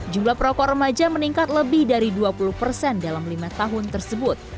jumlah perokok remaja meningkat lebih dari dua puluh persen dalam lima tahun tersebut